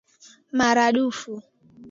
Mara dufu.